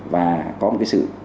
và có một cái sự